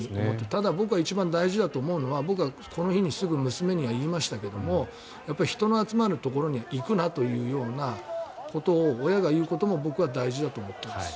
ただ僕が一番大事だと思うのは僕はこの日にすぐ娘には言いましたが人の集まるところには行くなというようなことを親が言うことも僕は大事だと思っています。